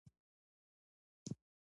حلاله روزي د برکت لامل ګرځي.